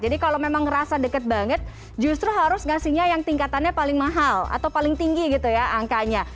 jadi kalau memang ngerasa dekat banget justru harus ngasihnya yang tingkatannya paling mahal atau paling tinggi gitu ya angkanya